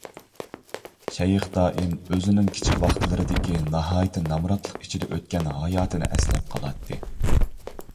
شەيخ دائىم ئۆزىنىڭ كىچىك ۋاقىتلىرىدىكى ناھايىتى نامراتلىق ئىچىدە ئۆتكەن ھاياتىنى ئەسلەپ قالاتتى.